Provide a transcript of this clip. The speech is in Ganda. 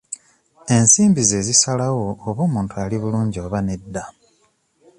Ensimbi z'ezisalawo oba omuntu ali bulungi oba nedda.